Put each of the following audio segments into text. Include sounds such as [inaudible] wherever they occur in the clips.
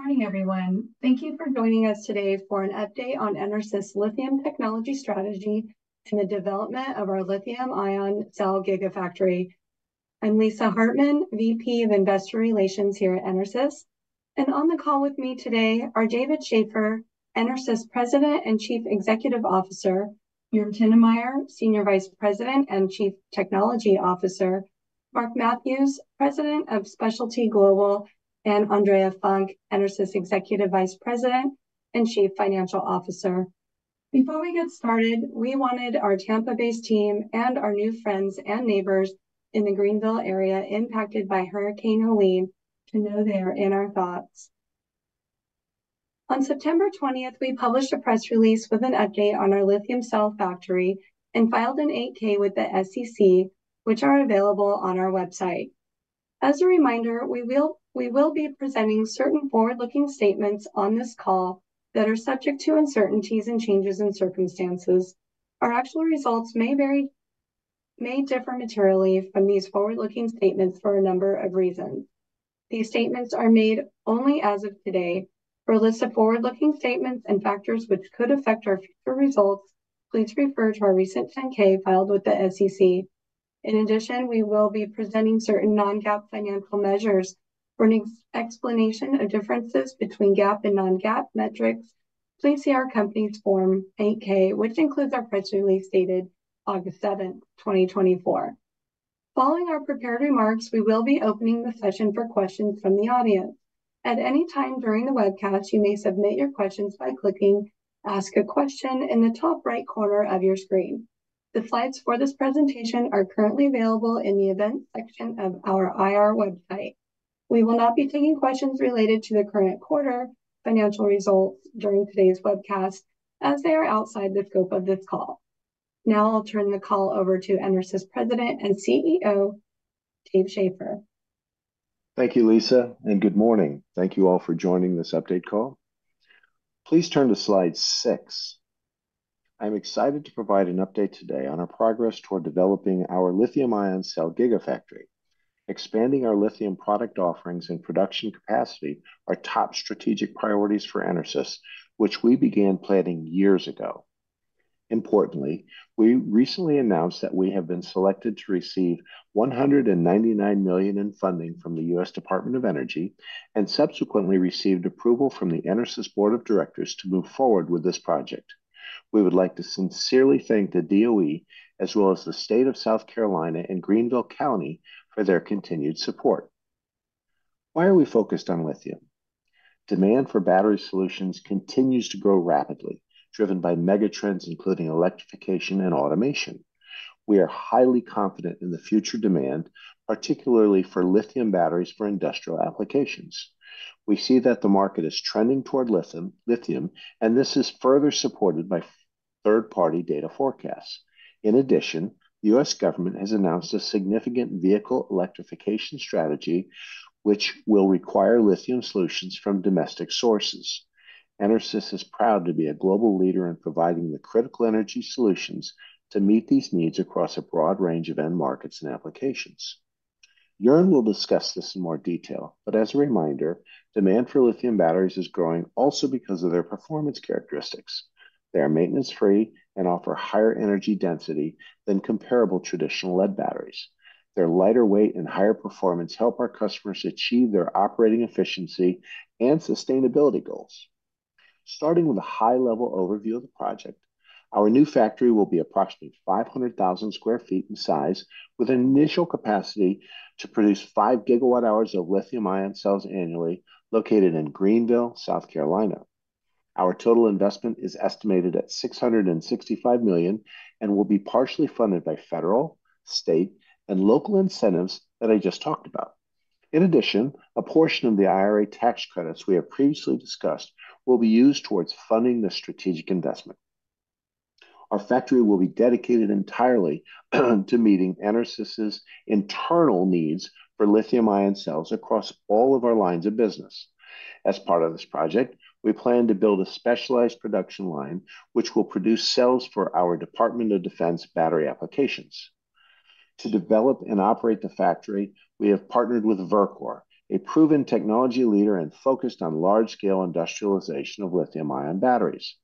Good morning, everyone. Thank you for joining us today for an update on EnerSys' lithium technology strategy and the development of our lithium-ion cell gigafactory. I'm Lisa Hartman, VP of Investor Relations here at EnerSys, and on the call with me today are David Shaffer, EnerSys President and Chief Executive Officer, Joern Tinnemeyer, Senior Vice President and Chief Technology Officer, Mark Matthews, President of Specialty Global, and Andrea Funk, EnerSys Executive Vice President and Chief Financial Officer. Before we get started, we wanted our Tampa-based team and our new friends and neighbors in the Greenville area impacted by Hurricane Helene to know they are in our thoughts. On September 20th, we published a press release with an update on our lithium cell factory and filed an 8-K with the SEC, which are available on our website. As a reminder, we will be presenting certain forward-looking statements on this call that are subject to uncertainties and changes in circumstances. Our actual results may differ materially from these forward-looking statements for a number of reasons. These statements are made only as of today. For a list of forward-looking statements and factors which could affect our future results, please refer to our recent 10-K filed with the SEC. In addition, we will be presenting certain non-GAAP financial measures. For an explanation of differences between GAAP and non-GAAP metrics, please see our company's Form 8-K, which includes our press release dated August 7th, 2024. Following our prepared remarks, we will be opening the session for questions from the audience. At any time during the webcast, you may submit your questions by clicking ask a question in the top right corner of your screen. The slides for this presentation are currently available in the events section of our IR website. We will not be taking questions related to the current quarter financial results during today's webcast, as they are outside the scope of this call. Now I'll turn the call over to EnerSys President and CEO, Dave Shaffer. Thank you, Lisa, and good morning. Thank you all for joining this update call. Please turn to slide six. I'm excited to provide an update today on our progress toward developing our lithium-ion cell gigafactory. Expanding our lithium product offerings and production capacity are top strategic priorities for EnerSys, which we began planning years ago. Importantly, we recently announced that we have been selected to receive $199 million in funding from the U.S. Department of Energy, and subsequently received approval from the EnerSys Board of Directors to move forward with this project. We would like to sincerely thank the DOE, as well as the State of South Carolina and Greenville County, for their continued support. Why are we focused on lithium? Demand for battery solutions continues to grow rapidly, driven by mega trends, including electrification and automation. We are highly confident in the future demand, particularly for lithium batteries for industrial applications. We see that the market is trending toward lithium, and this is further supported by third-party data forecasts. In addition, the U.S. government has announced a significant vehicle electrification strategy, which will require lithium solutions from domestic sources. EnerSys is proud to be a global leader in providing the critical energy solutions to meet these needs across a broad range of end markets and applications. Joern will discuss this in more detail, but as a reminder, demand for lithium batteries is growing also because of their performance characteristics. They are maintenance-free and offer higher energy density than comparable traditional lead batteries. Their lighter weight and higher performance help our customers achieve their operating efficiency and sustainability goals. Starting with a high-level overview of the project, our new factory will be approximately 500,000 sq ft in size, with an initial capacity to produce 5 GWh of lithium-ion cells annually, located in Greenville, South Carolina. Our total investment is estimated at $665 million and will be partially funded by federal, state, and local incentives that I just talked about. In addition, a portion of the IRA tax credits we have previously discussed will be used towards funding this strategic investment. Our factory will be dedicated entirely to meeting EnerSys' internal needs for lithium-ion cells across all of our lines of business. As part of this project, we plan to build a specialized production line, which will produce cells for our Department of Defense battery applications. To develop and operate the factory, we have partnered with Verkor, a proven technology leader and focused on large-scale industrialization of lithium-ion batteries.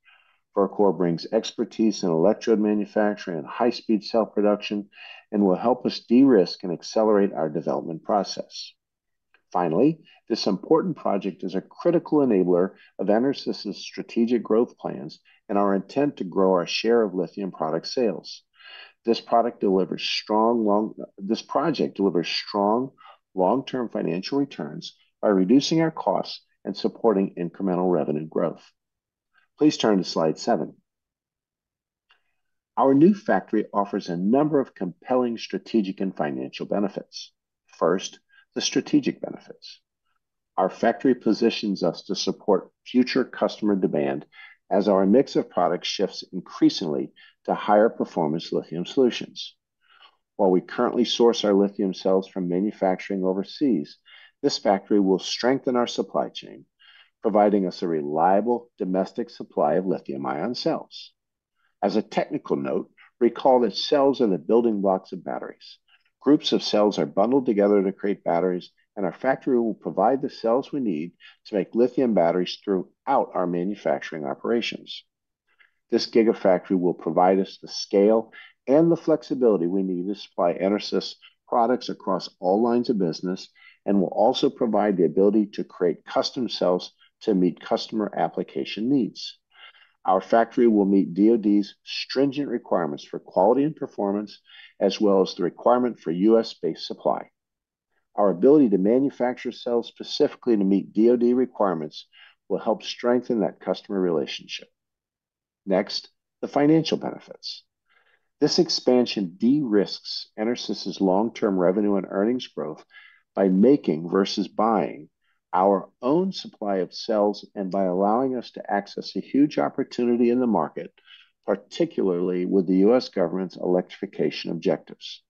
Verkor brings expertise in electrode manufacturing and high-speed cell production and will help us de-risk and accelerate our development process. Finally, this important project is a critical enabler of EnerSys' strategic growth plans and our intent to grow our share of lithium product sales. This project delivers strong, long-term financial returns by reducing our costs and supporting incremental revenue growth. Please turn to slide seven. Our new factory offers a number of compelling strategic and financial benefits. First, the strategic benefits. Our factory positions us to support future customer demand as our mix of products shifts increasingly to higher performance lithium solutions. While we currently source our lithium cells from manufacturing overseas, this factory will strengthen our supply chain, providing us a reliable domestic supply of lithium-ion cells. As a technical note, recall that cells are the building blocks of batteries. Groups of cells are bundled together to create batteries, and our factory will provide the cells we need to make lithium batteries throughout our manufacturing operations. This gigafactory will provide us the scale and the flexibility we need to supply EnerSys products across all lines of business, and will also provide the ability to create custom cells to meet customer application needs. Our factory will meet DoD's stringent requirements for quality and performance, as well as the requirement for U.S. based supply. Our ability to manufacture cells specifically to meet DoD requirements will help strengthen that customer relationship. Next, the financial benefits. This expansion de-risks EnerSys' long-term revenue and earnings growth by making versus buying our own supply of cells, and by allowing us to access a huge opportunity in the market, particularly with the U.S. government's electrification objectives.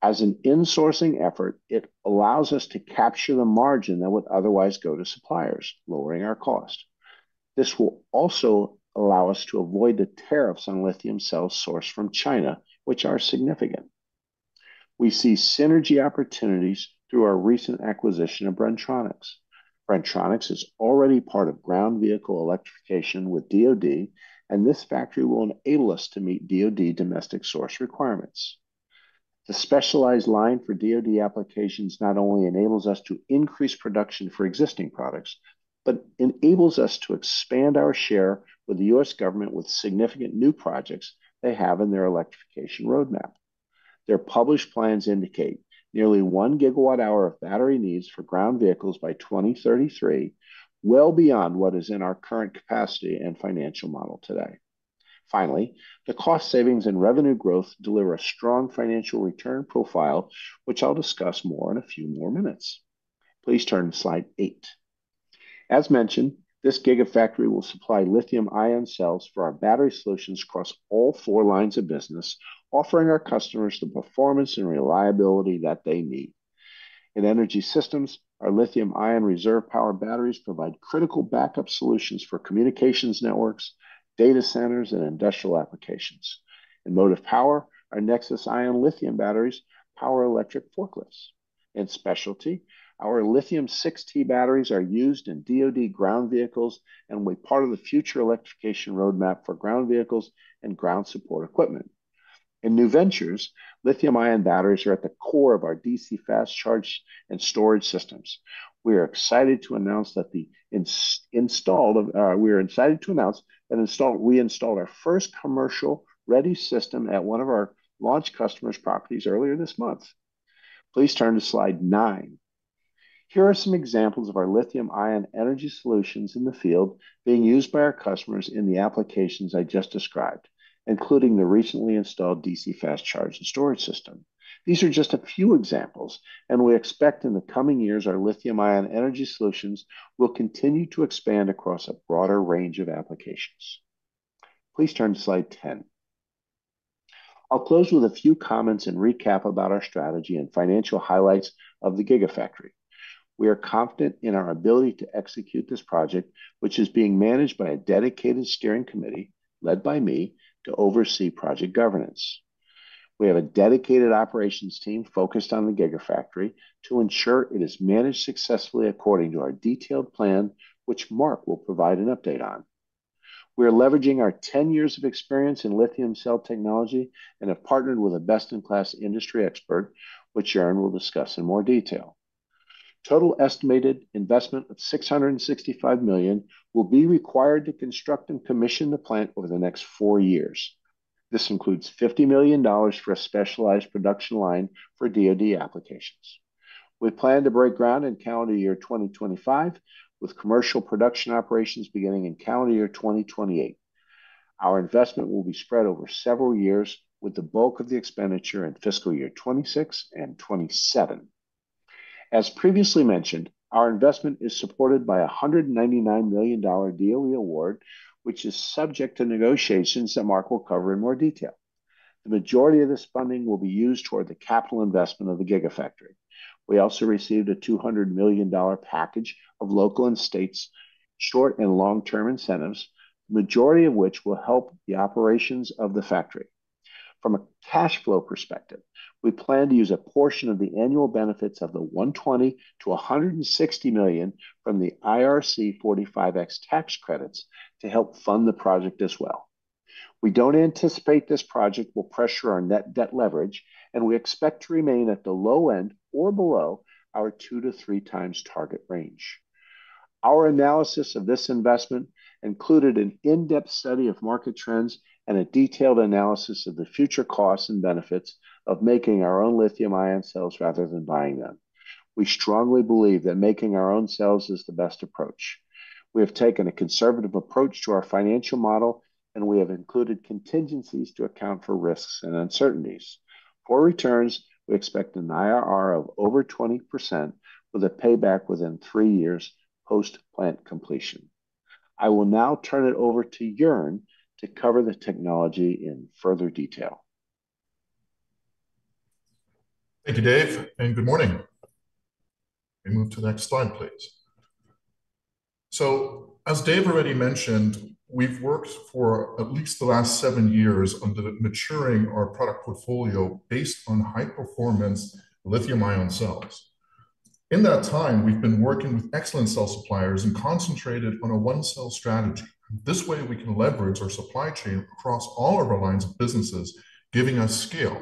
As an insourcing effort, it allows us to capture the margin that would otherwise go to suppliers, lowering our cost. This will also allow us to avoid the tariffs on lithium cells sourced from China, which are significant. We see synergy opportunities through our recent acquisition of Bren-Tronics. Bren-Tronics is already part of ground vehicle electrification with DoD, and this factory will enable us to meet DoD domestic source requirements. The specialized line for DoD applications not only enables us to increase production for existing products, but enables us to expand our share with the U.S. government with significant new projects they have in their electrification roadmap. Their published plans indicate nearly one GWh of battery needs for ground vehicles by 2033, well beyond what is in our current capacity and financial model today. Finally, the cost savings and revenue growth deliver a strong financial return profile, which I'll discuss more in a few more minutes. Please turn to slide eight. As mentioned, this gigafactory will supply lithium-ion cells for our battery solutions across all four lines of business, offering our customers the performance and reliability that they need. In energy systems, our lithium-ion reserve power batteries provide critical backup solutions for communications networks, data centers, and industrial applications. In motive power, our NexSys lithium-ion batteries power electric forklifts. In specialty, our Lithium 6T batteries are used in DoD ground vehicles and will be part of the future electrification roadmap for ground vehicles and ground support equipment. In new ventures, lithium-ion batteries are at the core of our DC Fast Charge and storage systems. We are excited to announce that we installed our first commercial-ready system at one of our launch customer's properties earlier this month. Please turn to slide nine. Here are some examples of our lithium-ion energy solutions in the field being used by our customers in the applications I just described, including the recently installed DC Fast Charge and storage system. These are just a few examples, and we expect in the coming years, our lithium-ion energy solutions will continue to expand across a broader range of applications. Please turn to slide 10. I'll close with a few comments and recap about our strategy and financial highlights of the Gigafactory. We are confident in our ability to execute this project, which is being managed by a dedicated steering committee, led by me, to oversee project governance. We have a dedicated operations team focused on the gigafactory to ensure it is managed successfully according to our detailed plan, which Mark will provide an update on. We are leveraging our 10 years of experience in lithium cell technology and have partnered with a best-in-class industry expert, which Joern will discuss in more detail. Total estimated investment of $665 million will be required to construct and commission the plant over the next four years. This includes $50 million for a specialized production line for DoD applications. We plan to break ground in calendar year 2025, with commercial production operations beginning in calendar year 2028. Our investment will be spread over several years, with the bulk of the expenditure in fiscal year 2026 and 2027. As previously mentioned, our investment is supported by a $199 million DOE award, which is subject to negotiations that Mark will cover in more detail. The majority of this funding will be used toward the capital investment of the gigafactory. We also received a $200 million package of local and state's short and long-term incentives, the majority of which will help the operations of the factory. From a cash flow perspective, we plan to use a portion of the annual benefits of the $120-$160 million from the IRC 45X tax credits to help fund the project as well. We don't anticipate this project will pressure our net debt leverage, and we expect to remain at the low end or below our two-to-three times target range. Our analysis of this investment included an in-depth study of market trends and a detailed analysis of the future costs and benefits of making our own lithium-ion cells rather than buying them. We strongly believe that making our own cells is the best approach. We have taken a conservative approach to our financial model, and we have included contingencies to account for risks and uncertainties. For returns, we expect an IRR of over 20% with a payback within three years post-plant completion. I will now turn it over to Joern to cover the technology in further detail. Thank you, Dave, and good morning. We move to the next slide, please. So as Dave already mentioned, we've worked for at least the last seven years on de-risking our product portfolio based on high-performance lithium-ion cells. In that time, we've been working with excellent cell suppliers and concentrated on a one-cell strategy. This way, we can leverage our supply chain across all of our lines of businesses, giving us scale.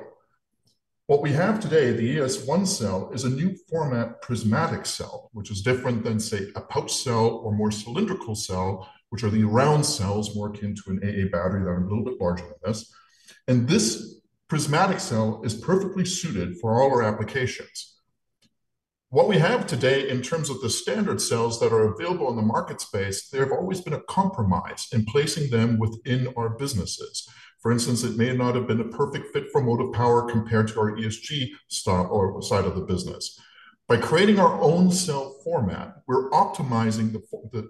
What we have today, the ENS1 cell, is a new format prismatic cell, which is different than, say, a pouch cell or more cylindrical cell, which are the round cells more akin to an AA battery that are a little bit larger than this. And this prismatic cell is perfectly suited for all our applications. What we have today in terms of the standard cells that are available in the market space, they have always been a compromise in placing them within our businesses. For instance, it may not have been a perfect fit for motive power compared to our ESG style or side of the business. By creating our own cell format, we're optimizing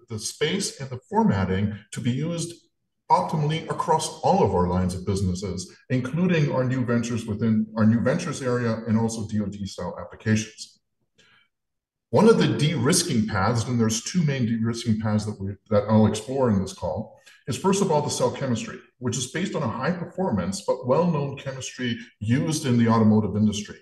the space and the formatting to be used optimally across all of our lines of businesses, including our new ventures within our new ventures area and also DoD style applications. One of the de-risking paths, and there's two main de-risking paths that I'll explore in this call, is, first of all, the cell chemistry, which is based on a high performance but well-known chemistry used in the automotive industry.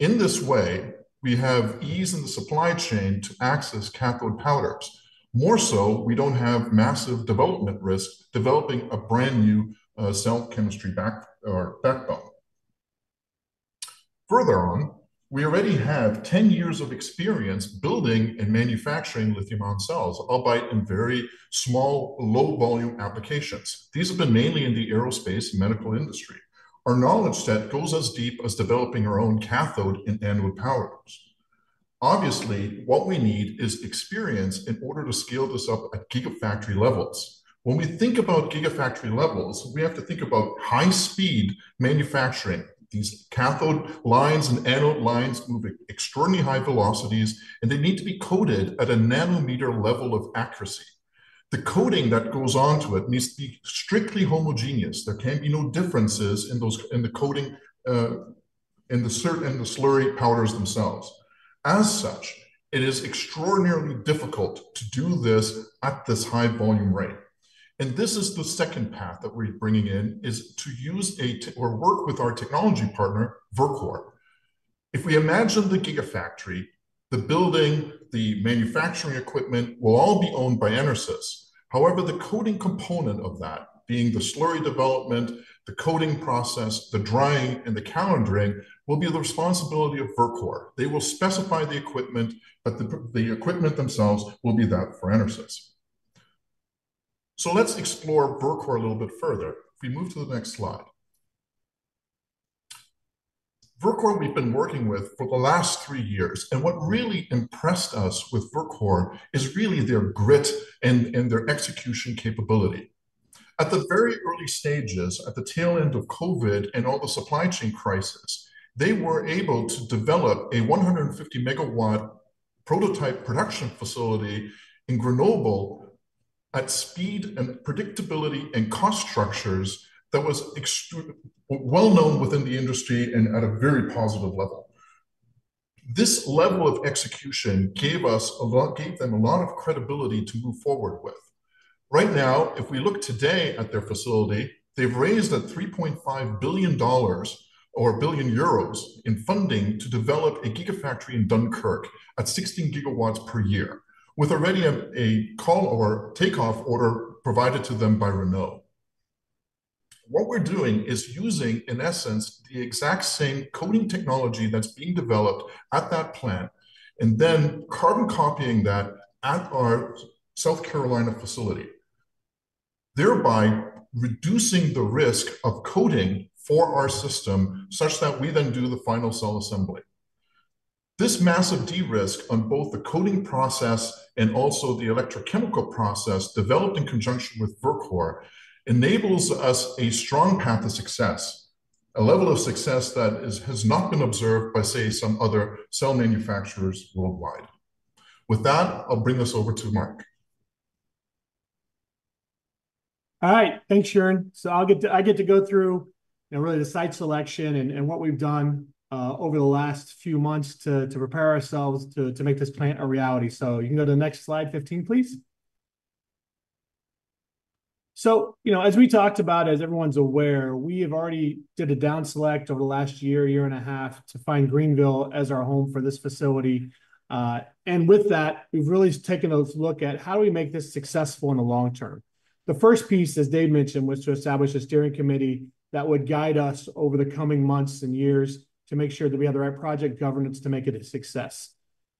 In this way, we have ease in the supply chain to access cathode powders. More so, we don't have massive development risk developing a brand-new cell chemistry back or backbone. Further on, we already have ten years of experience building and manufacturing lithium-ion cells, albeit in very small, low-volume applications. These have been mainly in the aerospace and medical industry. Our knowledge set goes as deep as developing our own cathode and anode powders. Obviously, what we need is experience in order to scale this up at gigafactory levels. When we think about gigafactory levels, we have to think about high-speed manufacturing. These cathode lines and anode lines move at extraordinarily high velocities, and they need to be coated at a nanometer level of accuracy. The coating that goes onto it needs to be strictly homogeneous. There can be no differences in those, in the coating, in the slurry powders themselves. As such, it is extraordinarily difficult to do this at this high volume rate. And this is the second path that we're bringing in, is to use a tech or work with our technology partner, Verkor. If we imagine the gigafactory, the building, the manufacturing equipment will all be owned by EnerSys. However, the coating component of that, being the slurry development, the coating process, the drying, and the calendering, will be the responsibility of Verkor. They will specify the equipment, but the equipment themselves will be that for EnerSys. So let's explore Verkor a little bit further. If we move to the next slide. Verkor we've been working with for the last three years, and what really impressed us with Verkor is really their grit and their execution capability. At the very early stages, at the tail end of COVID and all the supply chain crisis, they were able to develop a 150-megawatt prototype production facility in Grenoble at speed and predictability and cost structures that was extreme, well known within the industry and at a very positive level. This level of execution gave us a lot, gave them a lot of credibility to move forward with. Right now, if we look today at their facility, they've raised $3.5 billion or 1 billion euros in funding to develop a gigafactory in Dunkirk at 16 GWh per year, with already a offtake order provided to them by Renault. What we're doing is using, in essence, the exact same coating technology that's being developed at that plant and then carbon copying that at our South Carolina facility, thereby reducing the risk of coating for our system such that we then do the final cell assembly. This massive de-risk on both the coating process and also the electrochemical process, developed in conjunction with Verkor, enables us a strong path to success, a level of success that is, has not been observed by, say, some other cell manufacturers worldwide. With that, I'll bring this over to Mark. All right, thanks, Joern. So I'll get to go through, you know, really the site selection and what we've done over the last few months to prepare ourselves to make this plant a reality. So you can go to the next slide, 15, please. So, you know, as we talked about, as everyone's aware, we have already did a down select over the last year and a half to find Greenville as our home for this facility. And with that, we've really taken a look at how do we make this successful in the long term. The first piece, as Dave mentioned, was to establish a steering committee that would guide us over the coming months and years to make sure that we have the right project governance to make it a success.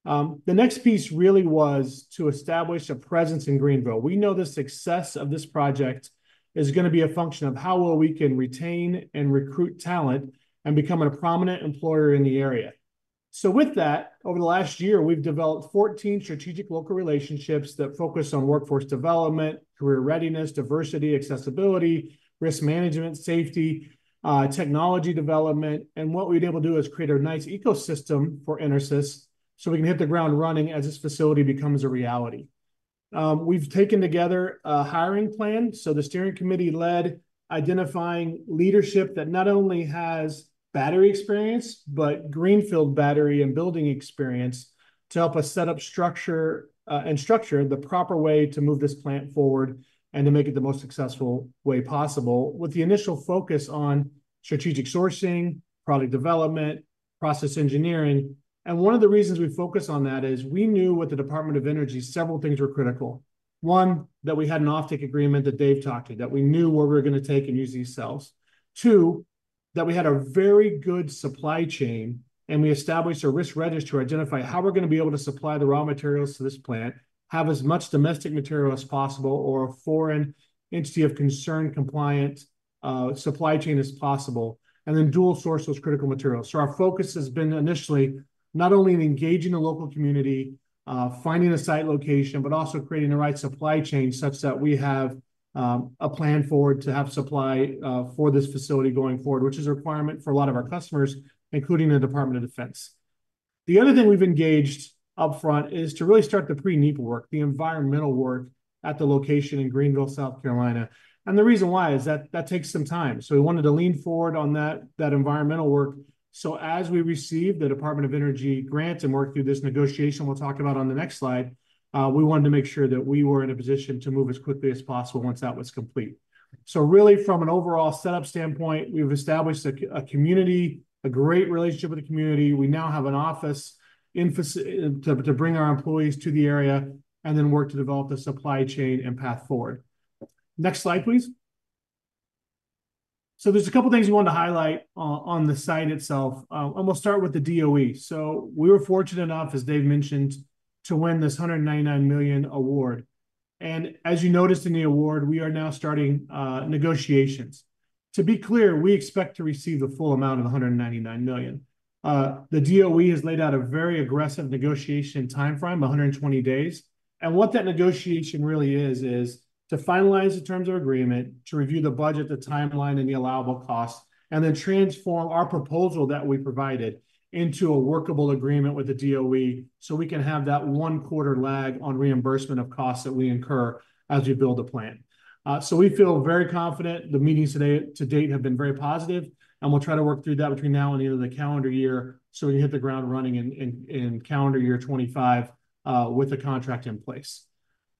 The next piece really was to establish a presence in Greenville. We know the success of this project is gonna be a function of how well we can retain and recruit talent and become a prominent employer in the area. So with that, over the last year, we've developed 14 strategic local relationships that focus on workforce development, career readiness, diversity, accessibility, risk management, safety, technology development. And what we've been able to do is create a nice ecosystem for EnerSys so we can hit the ground running as this facility becomes a reality. We've taken together a hiring plan. So the steering committee led identifying leadership that not only has battery experience, but greenfield battery and building experience to help us set up structure, and structure the proper way to move this plant forward and to make it the most successful way possible, with the initial focus on strategic sourcing, product development, process engineering, and one of the reasons we focus on that is we knew with the Department of Energy, several things were critical. One, that we had an offtake agreement that Dave talked to, that we knew where we were gonna take and use these cells. Two, that we had a very good supply chain, and we established a risk register to identify how we're gonna be able to supply the raw materials to this plant, have as much domestic material as possible, or a Foreign Entity of Concern compliant supply chain as possible, and then dual source those critical materials. So our focus has been initially not only in engaging the local community, finding a site location, but also creating the right supply chain such that we have a plan forward to have supply for this facility going forward, which is a requirement for a lot of our customers, including the Department of Defense. The other thing we've engaged upfront is to really start the pre-NEPA work, the environmental work at the location in Greenville, South Carolina, and the reason why is that it takes some time. We wanted to lean forward on that environmental work. As we receive the Department of Energy grant and work through this negotiation we'll talk about on the next slide, we wanted to make sure that we were in a position to move as quickly as possible once that was complete. Really, from an overall setup standpoint, we've established a community, a great relationship with the community. We now have an office in fact to bring our employees to the area and then work to develop the supply chain and path forward. Next slide, please. There's a couple things we want to highlight on the site itself, and we'll start with the DOE. So we were fortunate enough, as Dave mentioned, to win this $199 million award, and as you noticed in the award, we are now starting negotiations. To be clear, we expect to receive the full amount of the $199 million. The DOE has laid out a very aggressive negotiation timeframe, 120 days, and what that negotiation really is, is to finalize the terms of agreement, to review the budget, the timeline, and the allowable costs, and then transform our proposal that we provided into a workable agreement with the DOE, so we can have that one-quarter lag on reimbursement of costs that we incur as we build the plan. So we feel very confident. The meetings today, to date, have been very positive, and we'll try to work through that between now and the end of the calendar year, so we hit the ground running in calendar year 2025 with the contract in place.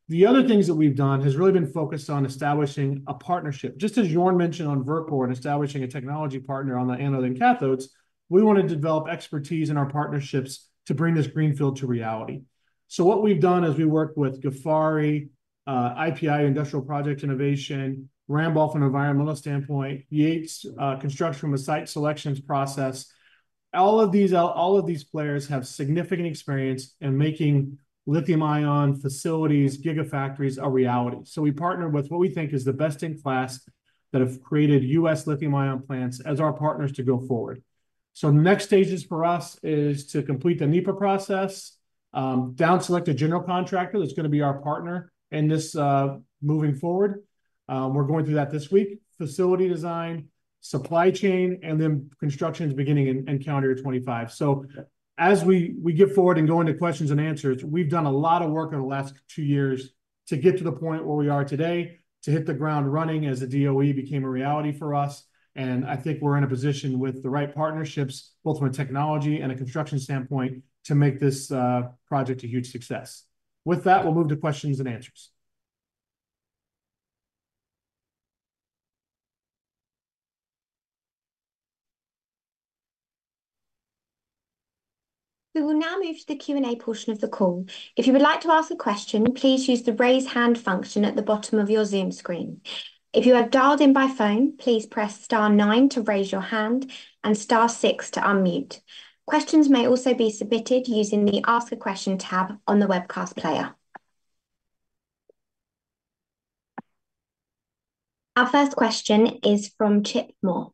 The other things that we've done has really been focused on establishing a partnership. Just as Joern mentioned on Verkor and establishing a technology partner on the anodes and cathodes, we want to develop expertise in our partnerships to bring this greenfield to reality. So what we've done is we worked with Ghafari, IPI, Industrial Project Innovation, Ramboll from an environmental standpoint, Yates Construction, from a site selections process. All of these players have significant experience in making lithium-ion facilities, gigafactories, a reality. So we partnered with what we think is the best-in-class that have created U.S. lithium-ion plants as our partners to go forward. Next stages for us is to complete the NEPA process, down-select a general contractor that's gonna be our partner in this moving forward. We're going through that this week. Facility design, supply chain, and then construction is beginning in calendar year 2025. As we get forward and go into questions and answers, we've done a lot of work in the last two years to get to the point where we are today, to hit the ground running as the DOE became a reality for us, and I think we're in a position with the right partnerships, both from a technology and a construction standpoint, to make this project a huge success. With that, we'll move to questions and answers. We will now move to the Q&A portion of the call. If you would like to ask a question, please use the raise hand function at the bottom of your Zoom screen. If you have dialed in by phone, please press star nine to raise your hand and star six to unmute. Questions may also be submitted using the Ask a Question tab on the webcast player. Our first question is from Chip Moore.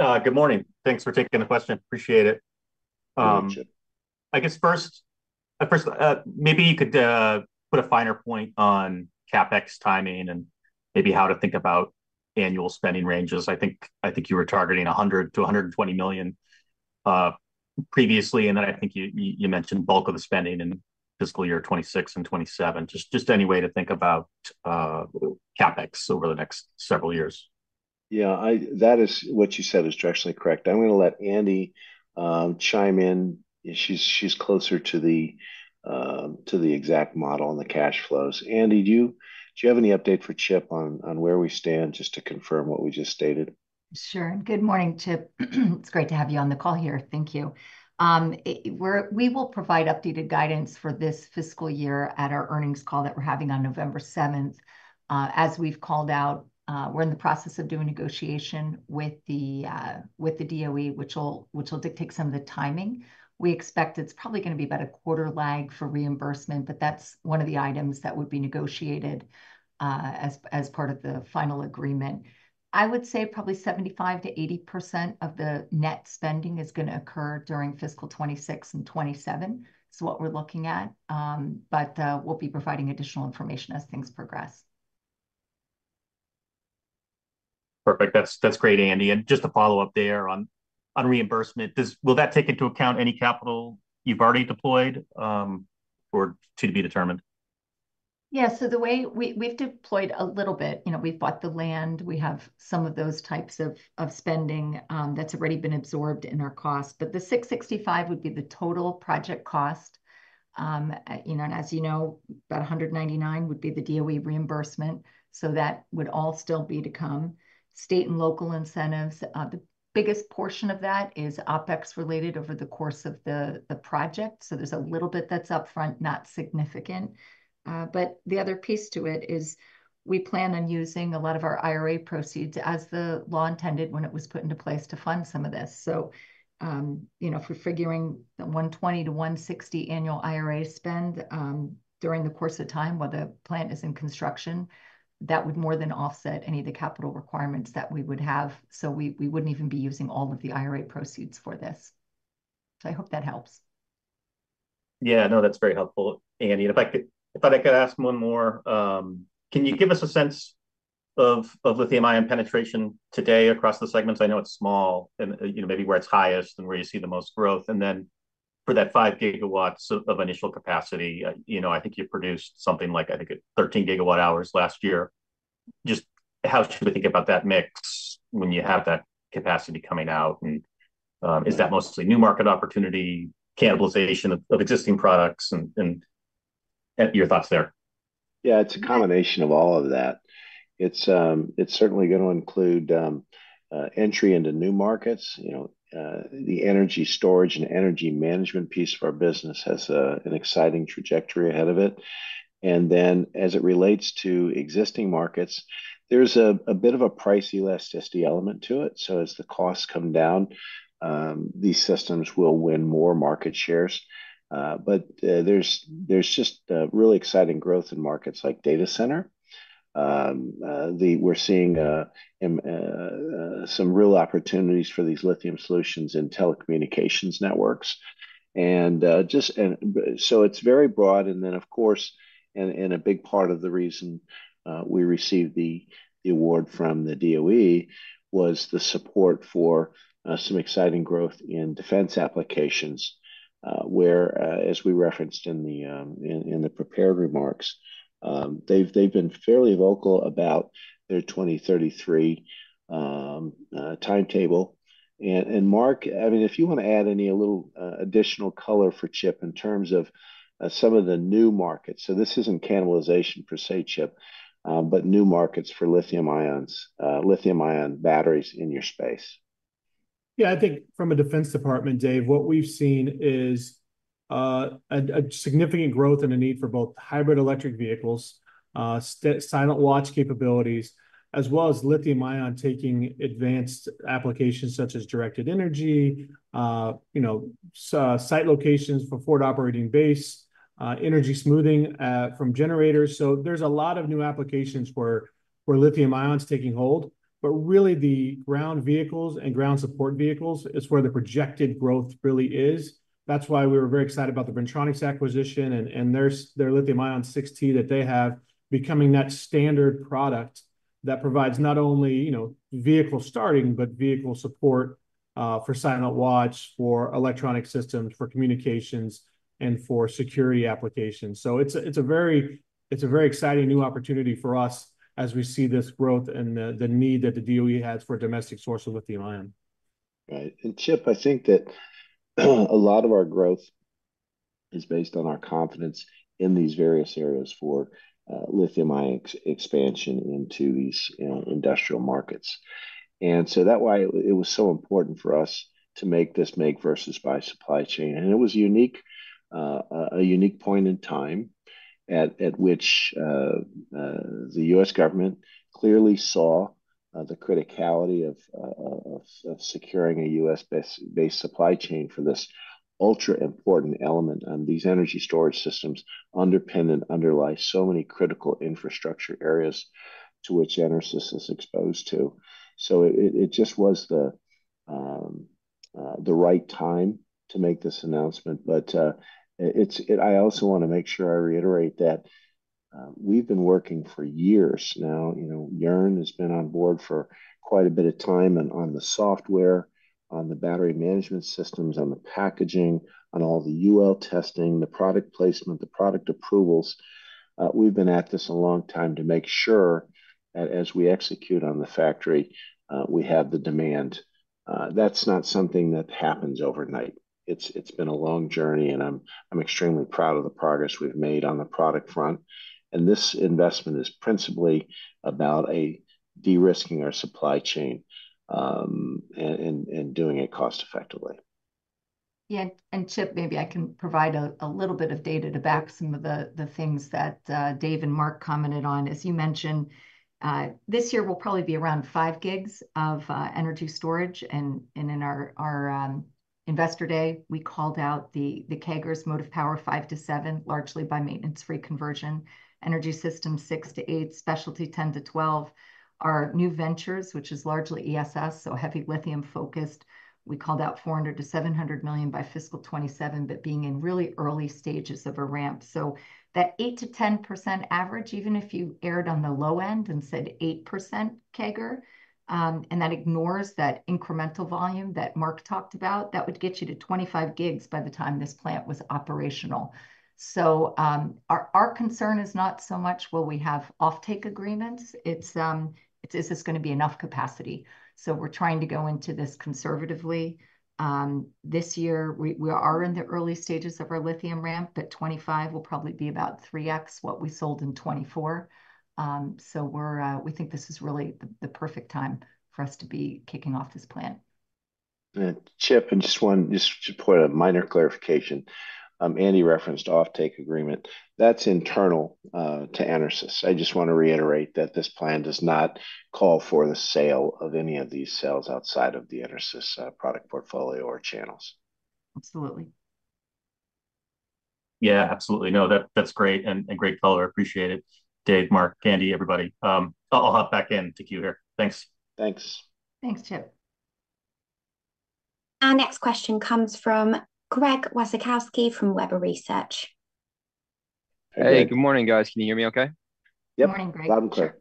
Good morning. Thanks for taking the question. Appreciate it. Good morning, Chip. I guess first, maybe you could put a finer point on CapEx timing and maybe how to think about annual spending ranges. I think you were targeting $100-$120 million previously, and then I think you mentioned bulk of the spending in fiscal year 2026 and 2027. Just any way to think about CapEx over the next several years. Yeah, that is, what you said is directionally correct. I'm gonna let Andy chime in. She's closer to the exact model and the cash flows. Andy, do you have any update for Chip on where we stand, just to confirm what we just stated? Sure. Good morning, Chip. It's great to have you on the call here. Thank you. We will provide updated guidance for this fiscal year at our earnings call that we're having on November 7th. As we've called out, we're in the process of doing negotiation with the DOE, which will dictate some of the timing. We expect it's probably gonna be about a quarter lag for reimbursement, but that's one of the items that would be negotiated, as part of the final agreement. I would say probably 75%-80% of the net spending is gonna occur during fiscal 2026 and 2027. So what we're looking at, but we'll be providing additional information as things progress. Perfect. That's, that's great, Andy. And just to follow up there on, on reimbursement, will that take into account any capital you've already deployed, or to be determined? Yeah, so the way we have deployed a little bit. You know, we've bought the land. We have some of those types of spending that's already been absorbed in our cost. But the $665 million would be the total project cost. You know, and as you know, about $199 million would be the DOE reimbursement, so that would all still be to come. State and local incentives, the biggest portion of that is OpEx related over the course of the project. So there's a little bit that's upfront, not significant. But the other piece to it is we plan on using a lot of our IRA proceeds, as the law intended when it was put into place, to fund some of this. So, you know, if we're figuring the 120-160 annual IRA spend, during the course of time while the plant is in construction, that would more than offset any of the capital requirements that we would have. So we wouldn't even be using all of the IRA proceeds for this. So I hope that helps. Yeah, no, that's very helpful, Andy. And if I could ask one more, can you give us a sense of lithium-ion penetration today across the segments? I know it's small, and you know, maybe where it's highest and where you see the most growth. And then for that 5 GWh of initial capacity, you know, I think you produced something like, I think, 13 GWh last year. Just how should we think about that mix when you have that capacity coming out? And is that mostly new market opportunity, cannibalization of existing products? And your thoughts there. Yeah, it's a combination of all of that. It's, it's certainly gonna include entry into new markets. You know, the energy storage and energy management piece of our business has an exciting trajectory ahead of it. And then as it relates to existing markets, there's a bit of a price elasticity element to it. So as the costs come down, these systems will win more market shares. But there's just really exciting growth in markets like data center. We're seeing some real opportunities for these lithium solutions in telecommunications networks. And just... It's very broad, and then, of course, and a big part of the reason we received the award from the DOE was the support for some exciting growth in defense applications, where, as we referenced in the prepared remarks, they've been fairly vocal about their 2033 timetable. Mark, I mean, if you wanna add any a little additional color for Chip in terms of some of the new markets. This isn't cannibalization per se, Chip, but new markets for lithium ions, lithium-ion batteries in your space. Yeah, I think from a Defense Department, Dave, what we've seen is a significant growth and a need for both hybrid electric vehicles, silent watch capabilities, as well as lithium ion taking advanced applications such as directed energy, you know, so site locations for forward operating base, energy smoothing from generators. So there's a lot of new applications where lithium ion is taking hold. But really, the ground vehicles and ground support vehicles is where the projected growth really is. That's why we were very excited about the Bren-Tronics acquisition and their Lithium 6T that they have, becoming that standard product that provides not only, you know, vehicle starting, but vehicle support for silent watch, for electronic systems, for communications, and for security applications. So it's a very exciting new opportunity for us as we see this growth and the need that the DOE has for a domestic source of lithium-ion. Right. And, Chip, I think that a lot of our growth is based on our confidence in these various areas for lithium ion expansion into these industrial markets. And so that's why it was so important for us to make this make-versus-buy supply chain. And it was a unique point in time at which the U.S. government clearly saw the criticality of securing a U.S. based supply chain for this ultra-important element. And these energy storage systems underpin and underlie so many critical infrastructure areas to which EnerSys is exposed. So it just was the right time to make this announcement. But it's... I also wanna make sure I reiterate that we've been working for years now. You know, Joern has been on board for quite a bit of time, and on the software, on the battery management systems, on the packaging, on all the UL testing, the product placement, the product approvals. We've been at this a long time to make sure that as we execute on the factory, we have the demand. That's not something that happens overnight. It's been a long journey, and I'm extremely proud of the progress we've made on the product front. This investment is principally about de-risking our supply chain, and doing it cost effectively. Yeah, and Chip, maybe I can provide a little bit of data to back some of the things that Dave and Mark commented on. As you mentioned, this year will probably be around five gigs of energy storage. And in our investor day, we called out the CAGRs: motive power 5-7%, largely by maintenance-free conversion. Energy systems, 6-8%. Specialty, 10-12%. Our new ventures, which is largely ESS, so heavy lithium focused, we called out $400-$700 million by fiscal 2027, but being in really early stages of a ramp. So that 8-10% average, even if you erred on the low end and said 8% CAGR, and that ignores that incremental volume that Mark talked about, that would get you to 25 gigs by the time this plant was operational. Our concern is not so much will we have offtake agreements, it's, is this gonna be enough capacity? So we're trying to go into this conservatively. This year, we are in the early stages of our lithium ramp, but 25 will probably be about 3X what we sold in 2024. So we think this is really the perfect time for us to be kicking off this plan. Chip, I just want to point a minor clarification. Andy referenced offtake agreement. That's internal to EnerSys. I just want to reiterate that this plan does not call for the sale of any of these cells outside of the EnerSys product portfolio or channels. Absolutely. Yeah, absolutely. Noted, that's great, and, and great follow-up. Appreciate it, Dave, Mark, Andy, everybody. I'll hop back in the queue here. Thanks. Thanks. Thanks, Chip. Our next question comes from Greg Wasikowski from Webber Research. Hey, good morning, guys. Can you hear me okay? Yep. Good morning, Greg. Loud and clear.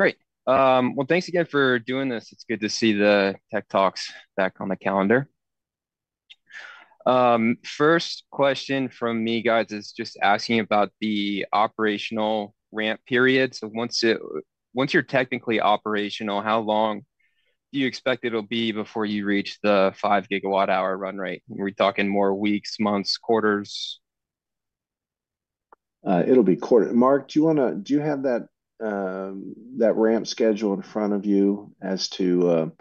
Great. Well, thanks again for doing this. It's good to see the tech talks back on the calendar. First question from me, guys, is just asking about the operational ramp period. So once it... Once you're technically operational, how long do you expect it'll be before you reach the 5 GWh run rate? Are we talking more weeks, months, quarters? It'll be quarter. Mark, do you have that ramp schedule in front of you as to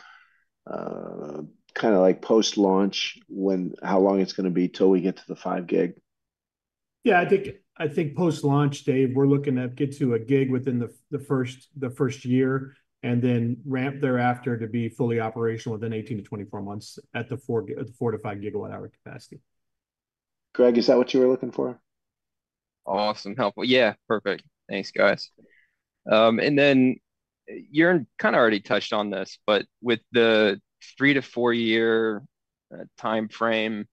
kind of like post-launch, when, how long it's gonna be till we get to the five gig? Yeah, I think post-launch, Dave, we're looking to get to a gig within the first year, and then ramp thereafter to be fully operational within 18-24 months at the 4-5 GWh capacity. Greg, is that what you were looking for? Awesome. Helpful. Yeah, perfect. Thanks, guys, and then, Joern kind of already touched on this, but with the three to four year time frame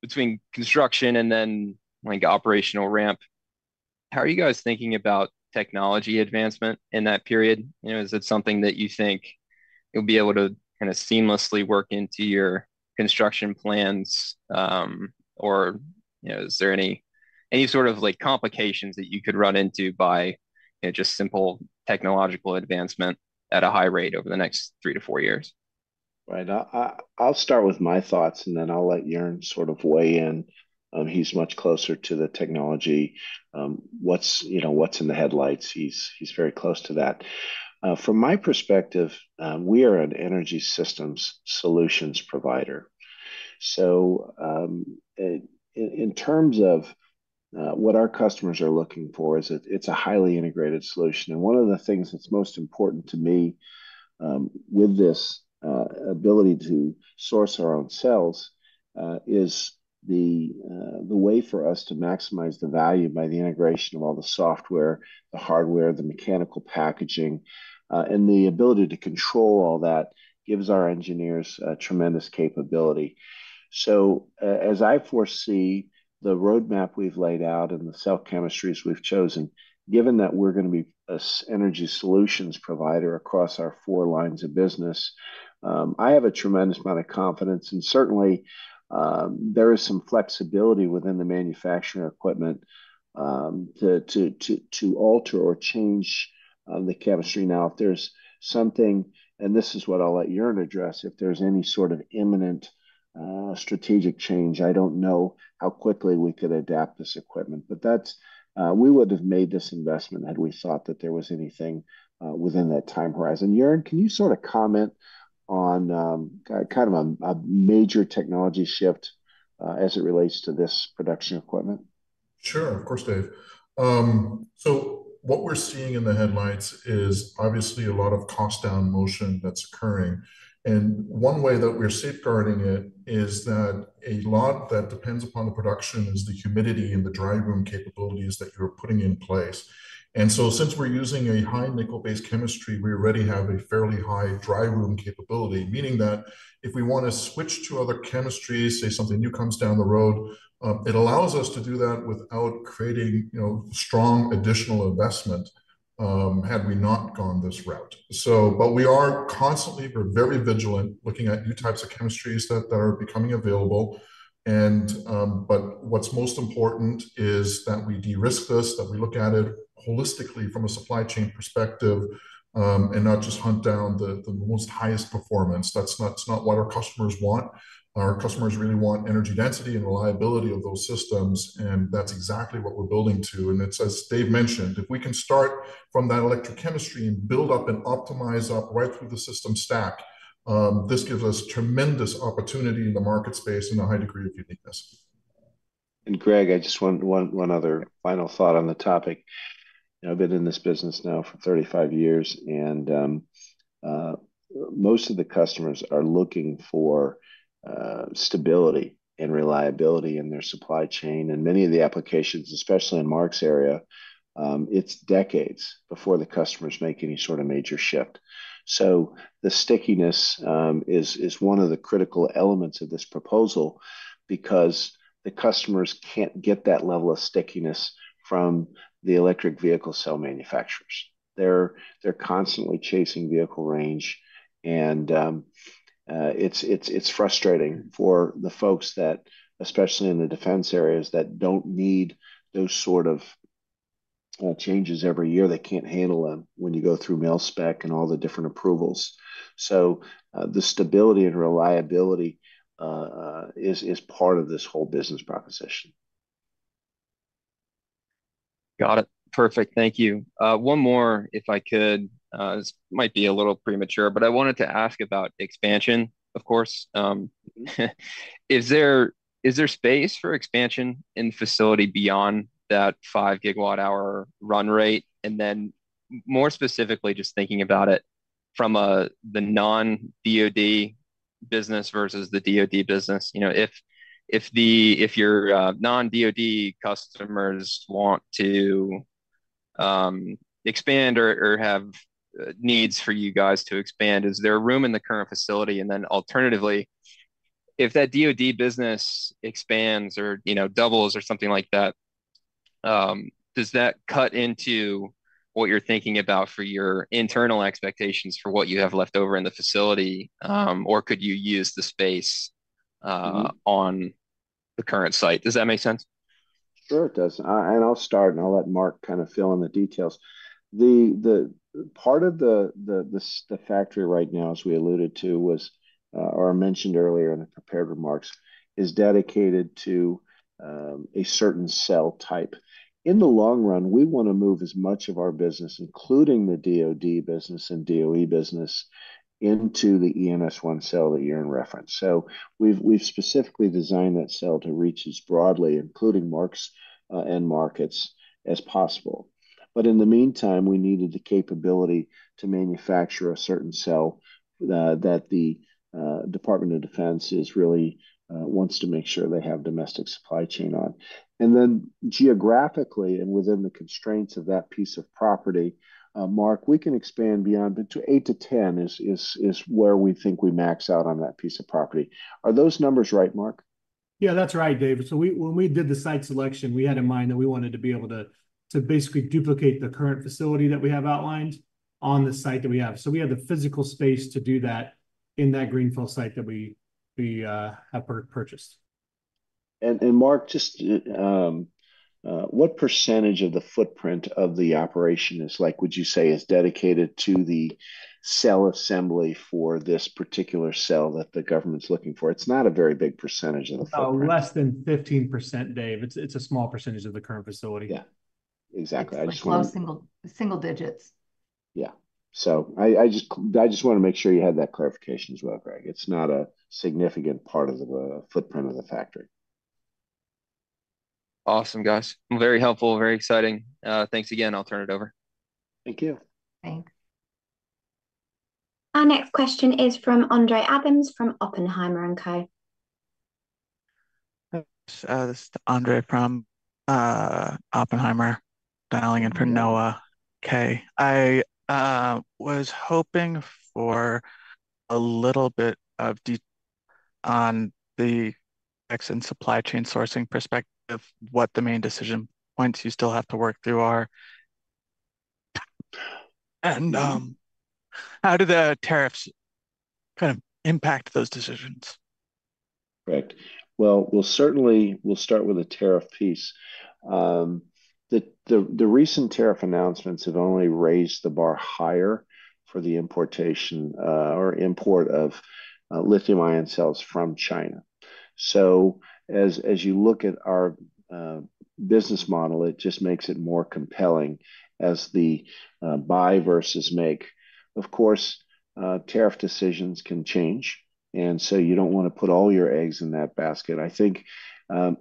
between construction and then, like, operational ramp, how are you guys thinking about technology advancement in that period? You know, is it something that you think you'll be able to kind of seamlessly work into your construction plans, or you know, is there any sort of, like, complications that you could run into by, you know, just simple technological advancement at a high rate over the next three to four years? Right. I'll start with my thoughts, and then I'll let Joern sort of weigh in. He's much closer to the technology. You know, what's in the headlights, he's very close to that. From my perspective, we are an energy systems solutions provider. So, in terms of what our customers are looking for, it's a highly integrated solution. And one of the things that's most important to me, with this ability to source our own cells, is the way for us to maximize the value by the integration of all the software, the hardware, the mechanical packaging. And the ability to control all that gives our engineers a tremendous capability. So, as I foresee, the roadmap we've laid out and the cell chemistries we've chosen, given that we're gonna be an energy solutions provider across our four lines of business, I have a tremendous amount of confidence. And certainly, there is some flexibility within the manufacturing equipment to alter or change the chemistry. Now, if there's something, and this is what I'll let Joern address, if there's any sort of imminent strategic change, I don't know how quickly we could adapt this equipment. But that's. We would have made this investment had we thought that there was anything within that time horizon. Joern, can you sort of comment on kind of a major technology shift as it relates to this production equipment? Sure. Of course, Dave. So what we're seeing in the headlights is obviously a lot of cost down motion that's occurring. And one way that we're safeguarding it is that a lot that depends upon the production is the humidity and the dry room capabilities that you're putting in place. And so since we're using a high nickel-based chemistry, we already have a fairly high dry room capability, meaning that if we wanna switch to other chemistries, say, something new comes down the road, it allows us to do that without creating, you know, strong additional investment, had we not gone this route. So but we are constantly, we're very vigilant, looking at new types of chemistries that are becoming available. But what's most important is that we de-risk this, that we look at it holistically from a supply chain perspective, and not just hunt down the most highest performance. That's not, it's not what our customers want. Our customers really want energy density and reliability of those systems, and that's exactly what we're building to. And it's as Dave mentioned, if we can start from that electrochemistry and build up and optimize up right through the system stack, this gives us tremendous opportunity in the market space and a high degree of uniqueness. And Greg, I just want one other final thought on the topic. You know, I've been in this business now for 35 years, and most of the customers are looking for stability and reliability in their supply chain, and many of the applications, especially in Mark's area, it's decades before the customers make any sort of major shift. So the stickiness is one of the critical elements of this proposal, because the customers can't get that level of stickiness from the electric vehicle cell manufacturers. They're constantly chasing vehicle range, and it's frustrating for the folks that, especially in the defense areas, that don't need those sort of changes every year. They can't handle them when you go through mil spec and all the different approvals. So, the stability and reliability is part of this whole business proposition. Got it. Perfect. Thank you. One more, if I could. This might be a little premature, but I wanted to ask about expansion, of course. Is there space for expansion in facility beyond that 5 GWh run rate? And then more specifically, just thinking about it from the non-DoD business versus the DoD business, you know, if your non-DoD customers want to expand or have needs for you guys to expand, is there room in the current facility? And then alternatively, if that DoD business expands or, you know, doubles or something like that, does that cut into what you're thinking about for your internal expectations for what you have left over in the facility, or could you use the space on the current site? Does that make sense? Sure it does. And I'll start, and I'll let Mark kind of fill in the details. The part of the factory right now, as we alluded to, or mentioned earlier in the prepared remarks, is dedicated to a certain cell type. In the long run, we wanna move as much of our business, including the DoD business and DOE business, into the ENS1 cell that you're referring to. So we've specifically designed that cell to reach as broadly, including Mark's end markets as possible. But in the meantime, we needed the capability to manufacture a certain cell that the Department of Defense really wants to make sure they have domestic supply chain on. And then geographically and within the constraints of that piece of property, Mark, we can expand beyond it to eight to ten, is where we think we max out on that piece of property. Are those numbers right, Mark? Yeah, that's right, David. So when we did the site selection, we had in mind that we wanted to be able to basically duplicate the current facility that we have outlined on the site that we have. So we have the physical space to do that in that greenfield site that we have purchased. Mark, just, what percentage of the footprint of the operation is like, would you say, is dedicated to the cell assembly for this particular cell that the government's looking for? It's not a very big percentage of the footprint. Less than 15%, Dave. It's a small percentage of the current facility. Yeah. Exactly. I just wanna- It's quite small, single digits. Yeah. So I just wanna make sure you have that clarification as well, Greg. It's not a significant part of the footprint of the factory. Awesome, guys. Very helpful, very exciting. Thanks again. I'll turn it over. Thank you. Thanks. Our next question is from Andre Adams, from Oppenheimer & Co. This is Andre from Oppenheimer, dialing in for Noah Kaye. I was hoping for a little bit of detail on the [audio distortion] and supply chain sourcing perspective, what the main decision points you still have to work through are, and how do the tariffs kind of impact those decisions? Right. Well, we'll certainly, we'll start with the tariff piece. The recent tariff announcements have only raised the bar higher for the importation, or import of, lithium-ion cells from China. So as you look at our business model, it just makes it more compelling as the buy versus make. Of course, tariff decisions can change, and so you don't wanna put all your eggs in that basket. I think.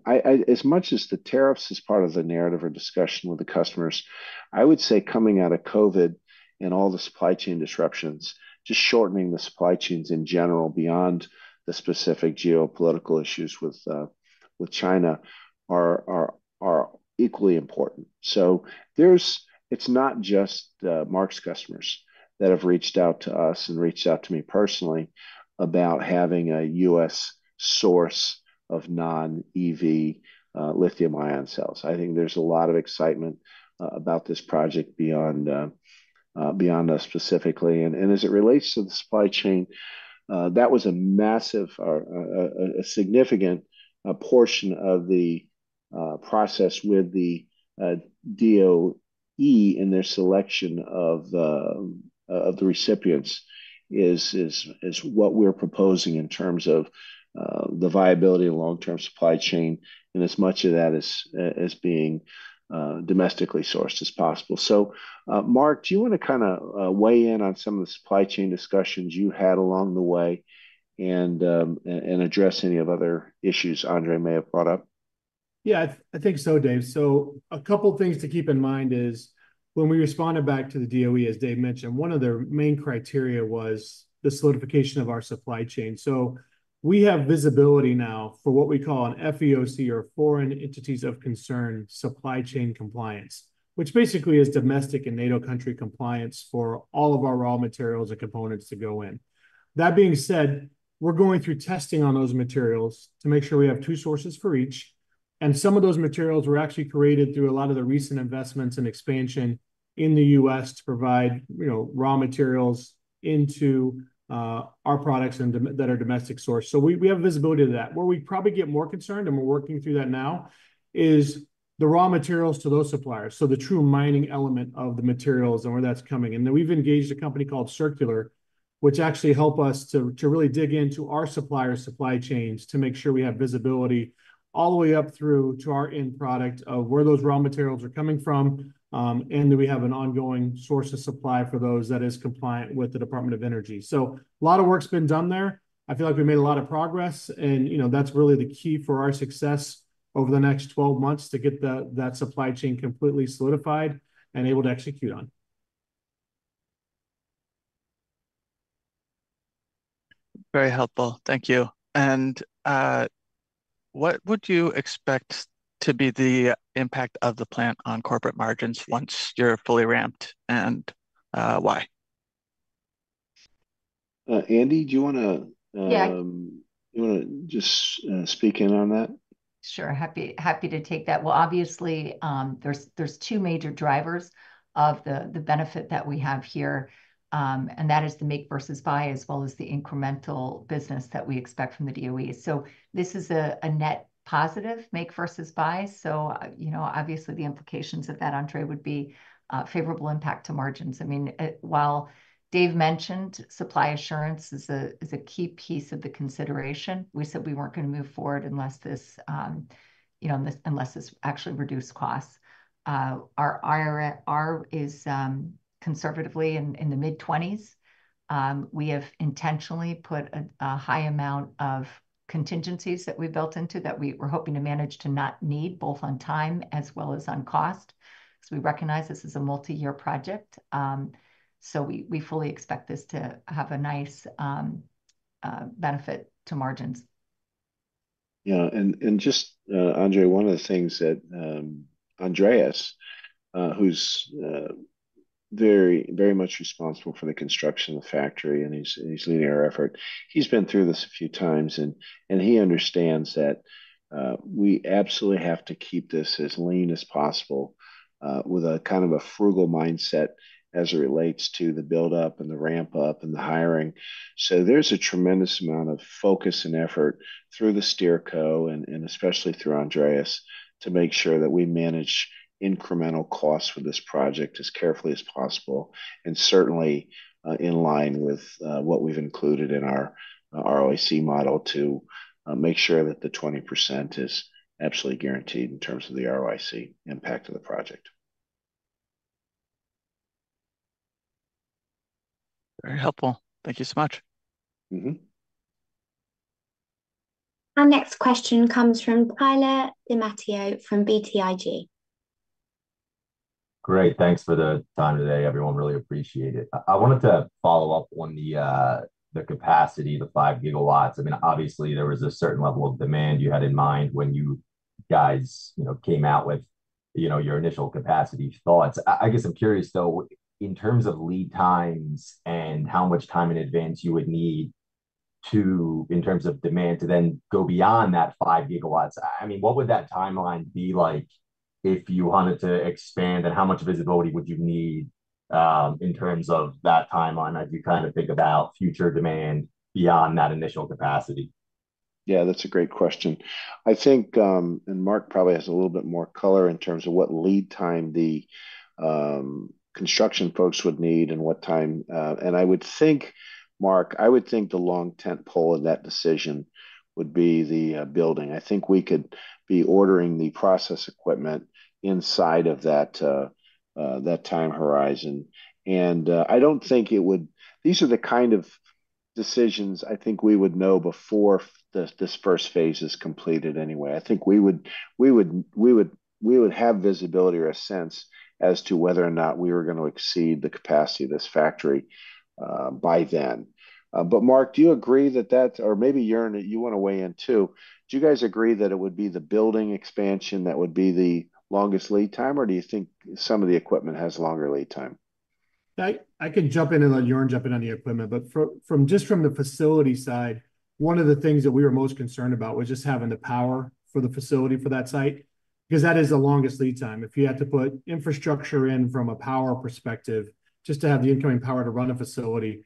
As much as the tariffs is part of the narrative or discussion with the customers, I would say coming out of COVID and all the supply chain disruptions, just shortening the supply chains in general, beyond the specific geopolitical issues with China, are equally important. There's, it's not just Mark's customers that have reached out to us and reached out to me personally about having a U.S. source of non-EV lithium-ion cells. I think there's a lot of excitement about this project beyond us specifically. As it relates to the supply chain, that was a massive, or a significant portion of the process with the DOE in their selection of the recipients, is what we're proposing in terms of the viability of long-term supply chain, and as much of that as is being domestically sourced as possible. Mark, do you wanna kinda weigh in on some of the supply chain discussions you had along the way and address any of other issues Andre may have brought up? Yeah, I think so, Dave. So a couple things to keep in mind is, when we responded back to the DOE, as Dave mentioned, one of their main criteria was the solidification of our supply chain. So we have visibility now for what we call an FEOC or Foreign Entities of Concern supply chain compliance, which basically is domestic and NATO country compliance for all of our raw materials and components to go in. That being said, we're going through testing on those materials to make sure we have two sources for each, and some of those materials were actually created through a lot of the recent investments and expansion in the U.S. to provide, you know, raw materials into our products and that are domestic sourced. So we have visibility to that. Where we probably get more concerned, and we're working through that now, is the raw materials to those suppliers, so the true mining element of the materials and where that's coming, and then we've engaged a company called Circulor, which actually help us to really dig into our supplier's supply chains to make sure we have visibility all the way up through to our end product of where those raw materials are coming from, and that we have an ongoing source of supply for those that is compliant with the Department of Energy, so a lot of work's been done there. I feel like we made a lot of progress, and, you know, that's really the key for our success over the next 12 months, to get that supply chain completely solidified and able to execute on. Very helpful. Thank you. And, what would you expect to be the impact of the plant on corporate margins once you're fully ramped, and why? Andy, do you wanna? Yeah You wanna just, speak in on that? Sure. Happy to take that. Well, obviously, there's two major drivers of the benefit that we have here, and that is the make versus buy, as well as the incremental business that we expect from the DOE. So this is a net positive make versus buy, so you know, obviously the implications of that, Andre, would be a favorable impact to margins. I mean, it... While Dave mentioned supply assurance is a key piece of the consideration, we said we weren't gonna move forward unless this, you know, unless this actually reduced costs. Our IRR is conservatively in the mid-20s. We have intentionally put a high amount of contingencies that we built into that we were hoping to manage to not need, both on time as well as on cost, so we recognize this is a multi-year project. So we fully expect this to have a nice benefit to margins. Yeah, and just, Andre, one of the things that, Andreas, who's very, very much responsible for the construction of the factory, and he's leading our effort, he's been through this a few times and he understands that we absolutely have to keep this as lean as possible with a kind of a frugal mindset as it relates to the build-up and the ramp-up and the hiring. So there's a tremendous amount of focus and effort through the SteerCo, and especially through Andreas, to make sure that we manage incremental costs for this project as carefully as possible, and certainly in line with what we've included in our ROIC model to make sure that the 20% is absolutely guaranteed in terms of the ROIC impact of the project. Very helpful. Thank you so much. Mm-hmm. Our next question comes from Tyler DiMatteo from BTIG. Great. Thanks for the time today, everyone. Really appreciate it. I wanted to follow up on the capacity, the 5 GWh. I mean, obviously there was a certain level of demand you had in mind when your guides, you know, came out with, you know, your initial capacity thoughts. I guess I'm curious, though, in terms of lead times and how much time in advance you would need to, in terms of demand, to then go beyond that 5 GWh. I mean, what would that timeline be like if you wanted to expand, and how much visibility would you need, in terms of that timeline as you kind of think about future demand beyond that initial capacity? Yeah, that's a great question. I think, and Mark probably has a little bit more color in terms of what lead time the construction folks would need and what time and I would think, Mark, the long tent pole in that decision would be the building. I think we could be ordering the process equipment inside of that time horizon. And I don't think it would. These are the kind of decisions I think we would know before this first phase is completed anyway. I think we would have visibility or a sense as to whether or not we were gonna exceed the capacity of this factory by then. But Mark, do you agree that that's. Or maybe, Joern, you wanna weigh in, too. Do you guys agree that it would be the building expansion that would be the longest lead time, or do you think some of the equipment has longer lead time? I can jump in and let Joern jump in on the equipment. But from just from the facility side, one of the things that we were most concerned about was just having the power for the facility for that site, 'cause that is the longest lead time. If you had to put infrastructure in from a power perspective, just to have the incoming power to run a facility,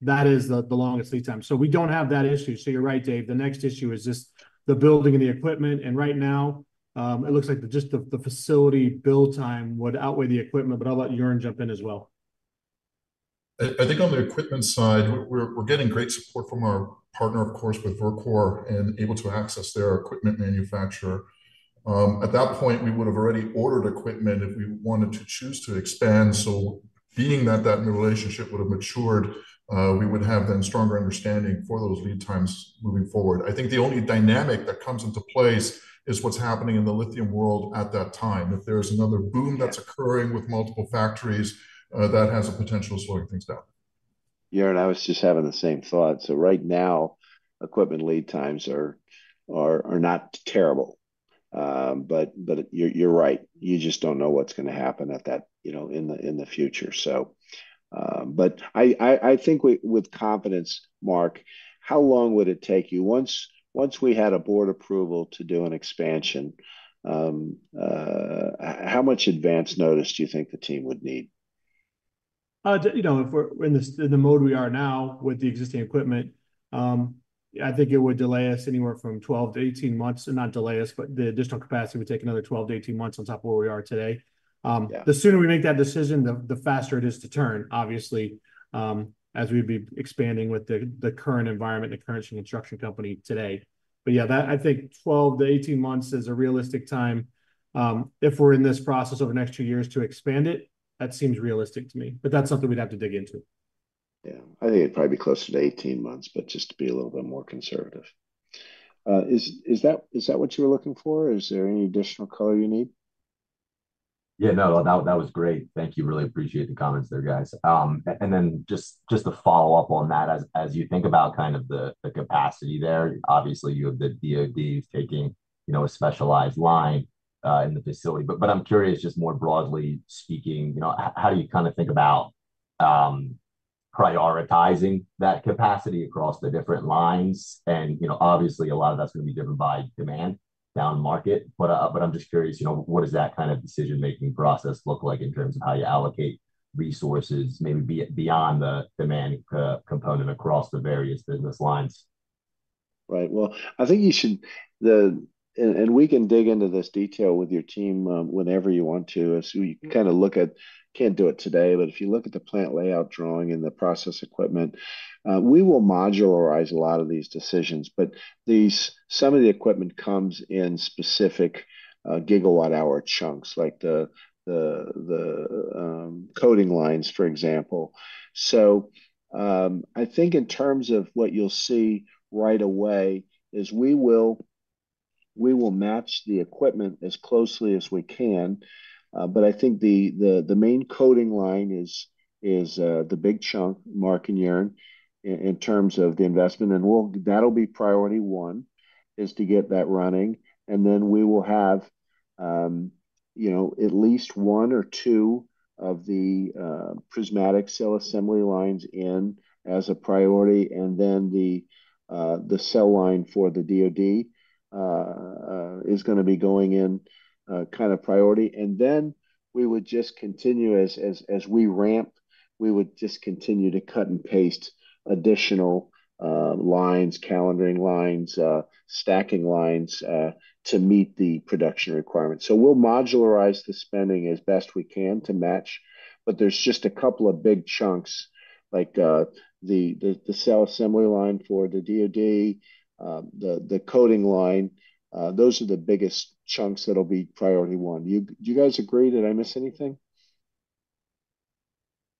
that is the longest lead time. So we don't have that issue, so you're right, Dave. The next issue is just the building and the equipment, and right now, it looks like just the facility build time would outweigh the equipment. But I'll let Joern jump in as well. I think on the equipment side, we're getting great support from our partner, of course, with Verkor, and able to access their equipment manufacturer. At that point, we would've already ordered equipment if we wanted to choose to expand, so being that the new relationship would have matured, we would have then stronger understanding for those lead times moving forward. I think the only dynamic that comes into place is what's happening in the lithium world at that time. If there's another boom that's occurring with multiple factories, that has a potential of slowing things down. Yeah, and I was just having the same thought. So right now, equipment lead times are not terrible. But you're right. You just don't know what's gonna happen at that, you know, in the future. So, but I think with confidence, Mark, how long would it take you? Once we had a board approval to do an expansion, how much advance notice do you think the team would need? You know, if we're in the mode we are now with the existing equipment, I think it would delay us anywhere from 12 to 18 months. Not delay us, but the additional capacity would take another 12 to 18 months on top of where we are today. The sooner we make that decision, the faster it is to turn, obviously, as we'd be expanding with the current environment, the current construction company today. But yeah, that, I think 12 to 18 months is a realistic time. If we're in this process over the next two years to expand it, that seems realistic to me. But that's something we'd have to dig into. Yeah. I think it'd probably be closer to 18 months, but just to be a little bit more conservative. Is that what you were looking for? Is there any additional color you need? Yeah, no, that was great. Thank you. Really appreciate the comments there, guys. And then just to follow up on that, as you think about kind of the capacity there, obviously, you have the DoD taking, you know, a specialized line in the facility. But I'm curious, just more broadly speaking, you know, how do you kind of think about prioritizing that capacity across the different lines? And, you know, obviously, a lot of that's going to be driven by demand down market. But I'm just curious, you know, what does that kind of decision-making process look like in terms of how you allocate resources, maybe beyond the demand component across the various business lines? Right. Well, I think you should. We can dig into this detail with your team whenever you want to, as we kind of look at - can't do it today, but if you look at the plant layout drawing and the process equipment, we will modularize a lot of these decisions. Some of the equipment comes in specific GWh chunks, like the coating lines, for example. I think in terms of what you'll see right away is we will match the equipment as closely as we can, but I think the main coating line is the big chunk, Mark and Joern, in terms of the investment. That'll be priority one, is to get that running, and then we will have, you know, at least one or two of the prismatic cell assembly lines in as a priority, and then the cell line for the DoD is gonna be going in kind of priority. And then we would just continue as we ramp; we would just continue to cut and paste additional lines, calendaring lines, stacking lines, to meet the production requirements. So we'll modularize the spending as best we can to match, but there's just a couple of big chunks, like the cell assembly line for the DoD, the coating line. Those are the biggest chunks that'll be priority one. Do you guys agree? Did I miss anything?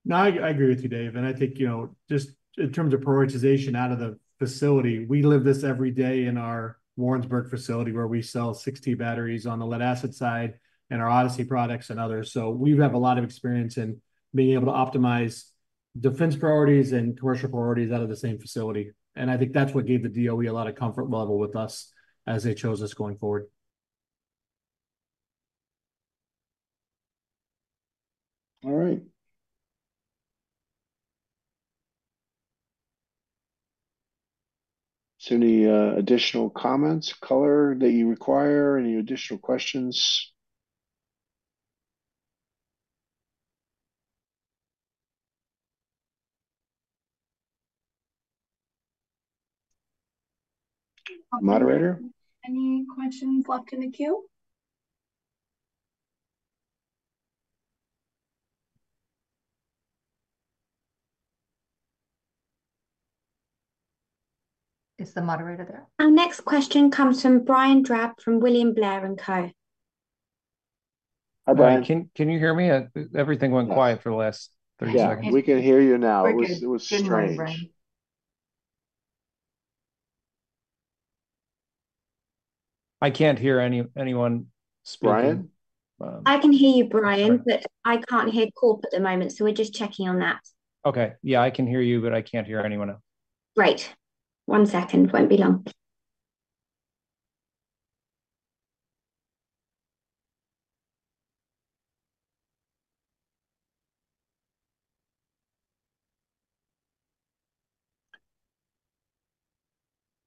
No, I agree with you, Dave. And I think, you know, just in terms of prioritization out of the facility, we live this every day in our Warrensburg facility, where we sell 60 batteries on the lead-acid side and our Odyssey products and others. So we have a lot of experience in being able to optimize defense priorities and commercial priorities out of the same facility, and I think that's what gave the DOE a lot of comfort level with us as they chose us going forward. All right. So any additional comments, color that you require? Any additional questions? Moderator? Any questions left in the queue? Is the moderator there? Our next question comes from Brian Drab, from William Blair & Co. Hi, Brian. Hi, Brian. Can you hear me? Everything went quiet for the last 30 seconds. Yeah, we can hear you now. We're good. It was strange. You're on, Brian. I can't hear anyone speaking. Brian? I can hear you, Brian, but I can't hear at the moment, so we're just checking on that. Okay. Yeah, I can hear you, but I can't hear anyone else. Great. One second. Won't be long.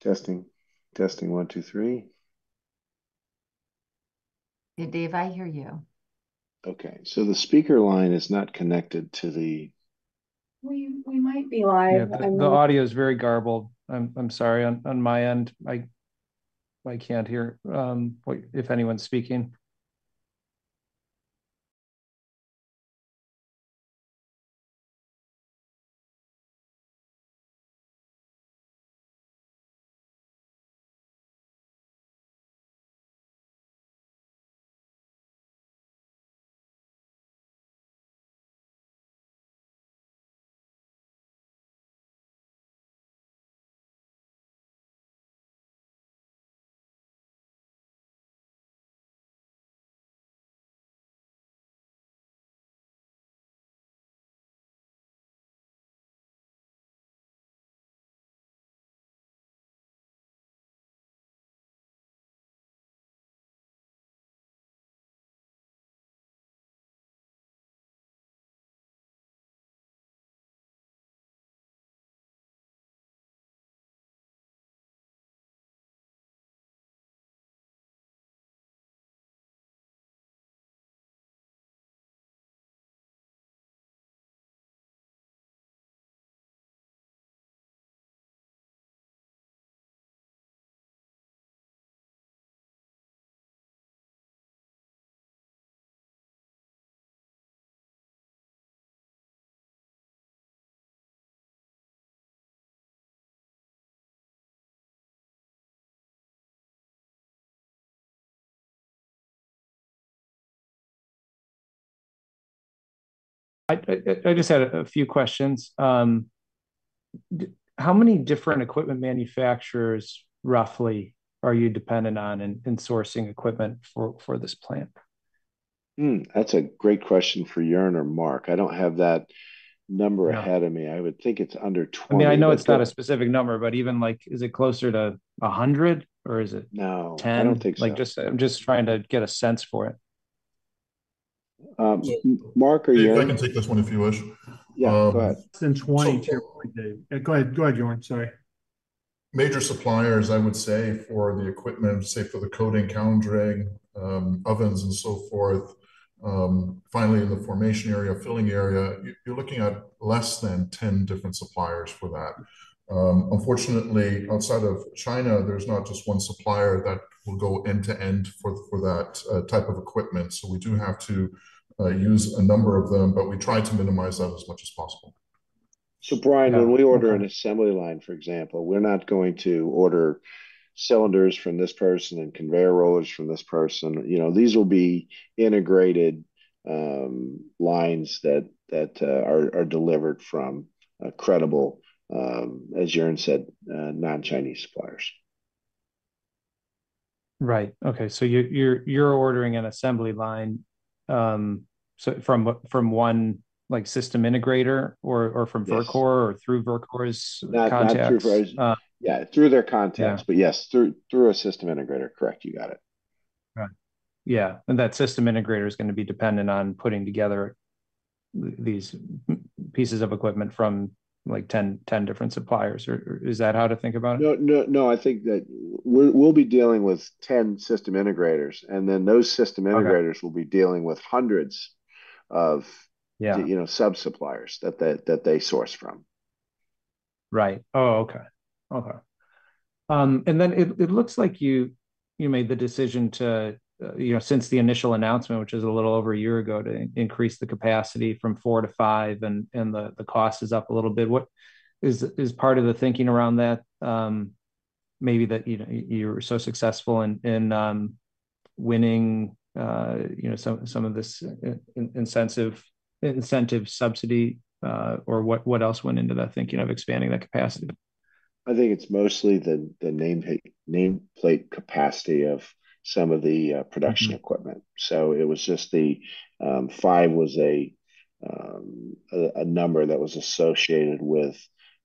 Testing, testing, one, two, three. Yeah, Dave, I hear you. Okay, so the speaker line is not connected to the- We might be live. Yeah, the audio is very garbled. I'm sorry, on my end, I can't hear whether anyone's speaking. I just had a few questions. How many different equipment manufacturers, roughly, are you dependent on in sourcing equipment for this plant? That's a great question for Joern or Mark. I don't have that number. Yeah... ahead of me. I would think it's under 20. I mean, I know it's not a specific number, but even, like, is it closer to 100, or is it- No, I don't think so. Like, just, I'm just trying to get a sense for it. Mark, are you- I can take this one if you wish. Yeah, go ahead. Less than 20- Go ahead. Go ahead, Joern, sorry. Major suppliers, I would say, for the equipment, say for the coating, calendaring, ovens, and so forth, finally in the formation area, filling area, you're looking at less than 10 different suppliers for that. Unfortunately, outside of China, there's not just one supplier that will go end to end for that type of equipment, so we do have to use a number of them, but we try to minimize that as much as possible. So Brian, when we order an assembly line, for example, we're not going to order cylinders from this person and conveyor rollers from this person. You know, these will be integrated lines that are delivered from a credible, as Joern said, non-Chinese suppliers. Right. Okay, so you're ordering an assembly line, so from one, like, system integrator or from Verkor or through Verkor's contacts? Yeah, through their contacts but yes, through a system integrator. Correct, you got it. Right. Yeah, and that system integrator is gonna be dependent on putting together these pieces of equipment from, like, 10 different suppliers or, is that how to think about it? No, no, no, I think that we'll be dealing with 10 system integrators, and then those system integrators will be dealing with hundreds of, you know, sub-suppliers that they source from. Right. Oh, okay. Okay. And then it looks like you made the decision to, you know, since the initial announcement, which is a little over a year ago, to increase the capacity from four to five, and the cost is up a little bit. What is part of the thinking around that, maybe that, you know, you were so successful in winning, you know, some of this incentive subsidy, or what else went into that thinking of expanding that capacity? I think it's mostly the nameplate capacity of some of the production equipment. So it was just the five was a number that was associated with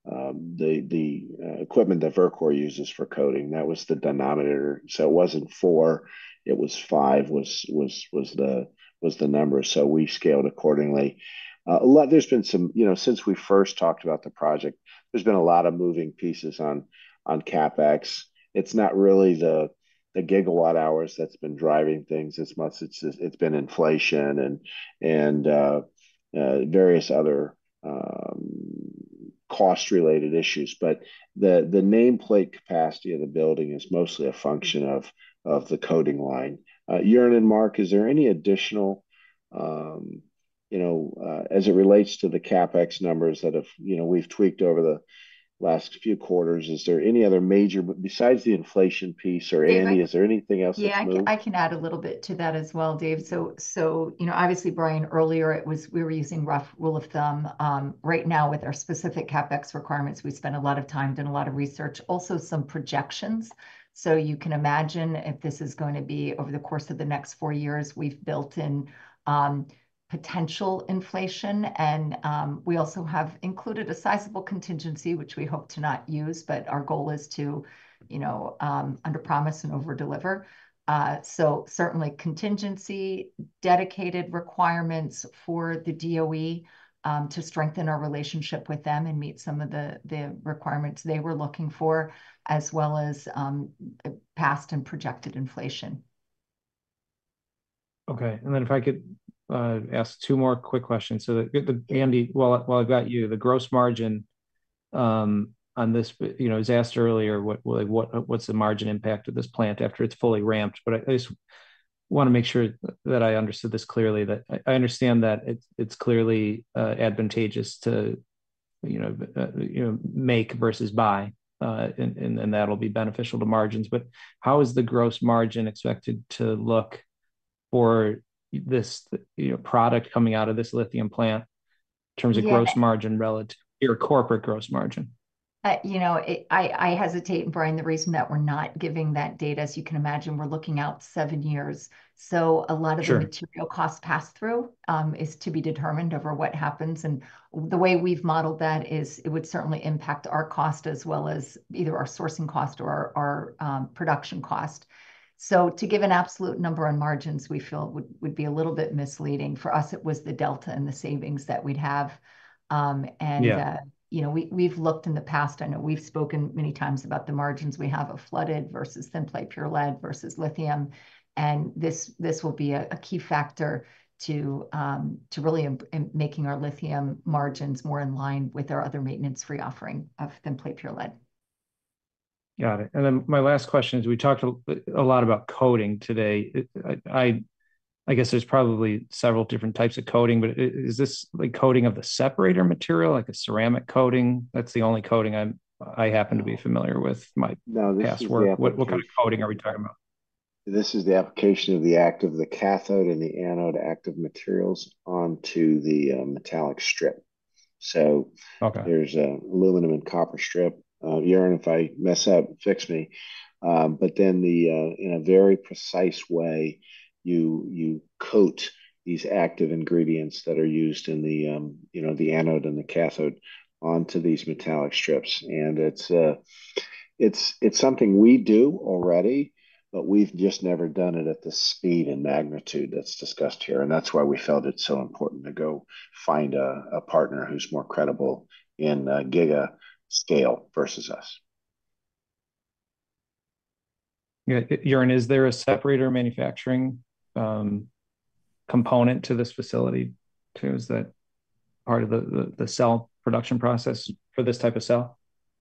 the equipment that Verkor uses for coating. That was the denominator, so it wasn't four, it was five, the number, so we've scaled accordingly. You know, since we first talked about the project, there's been a lot of moving pieces on CapEx. It's not really the GWh that's been driving things as much as it's been inflation and various other cost-related issues. But the nameplate capacity of the building is mostly a function of the coating line. Joern and Mark, is there any additional, you know, as it relates to the CapEx numbers that have, you know, we've tweaked over the last few quarters, is there any other major... Besides the inflation piece or Andy, is there anything else that's moved? Yeah, I can add a little bit to that as well, Dave. So, you know, obviously, Brian, earlier we were using rough rule of thumb. Right now, with our specific CapEx requirements, we spent a lot of time, done a lot of research, also some projections. So you can imagine if this is going to be over the course of the next four years, we've built in potential inflation and we also have included a sizable contingency, which we hope to not use, but our goal is to, you know, underpromise and overdeliver. So certainly contingency, dedicated requirements for the DOE, to strengthen our relationship with them and meet some of the requirements they were looking for, as well as past and projected inflation. Okay, and then if I could ask two more quick questions. So, Andy, while I've got you, the gross margin on this, you know, it was asked earlier, what's the margin impact of this plant after it's fully ramped? But I just wanna make sure that I understood this clearly, that I understand that it's clearly advantageous to, you know, make versus buy, and that'll be beneficial to margins. But how is the gross margin expected to look for this, you know, product coming out of this lithium plant in terms of gross margin relative to your corporate gross margin? You know, I hesitate, Brian, the reason that we're not giving that data, as you can imagine, we're looking out seven years. So a lot of the- Sure... material costs pass-through is to be determined over what happens. And the way we've modeled that is it would certainly impact our cost as well as either our sourcing cost or our production cost. So to give an absolute number on margins, we feel would be a little bit misleading. For us, it was the delta and the savings that we'd have. And Yeah... you know, we, we've looked in the past. I know we've spoken many times about the margins we have of flooded versus thin plate pure lead versus lithium, and this will be a key factor to really making our lithium margins more in line with our other maintenance-free offering of thin plate pure lead. Got it. And then my last question is, we talked a lot about coating today. I guess there's probably several different types of coating, but is this the coating of the separator material, like a ceramic coating? That's the only coating I'm, I happen to be familiar with my- No, this is the application.... past work. What kind of coating are we talking about? This is the application of the active, the cathode and the anode active materials onto the metallic strip. So- Okay... there's an aluminum and copper strip. Joern, if I mess up, fix me. But then, in a very precise way, you coat these active ingredients that are used in the, you know, the anode and the cathode onto these metallic strips. And it's something we do already, but we've just never done it at the speed and magnitude that's discussed here, and that's why we felt it's so important to go find a partner who's more credible in gigascale versus us. Yeah. Joern, is there a separator manufacturing component to this facility, too? Is that part of the cell production process for this type of cell?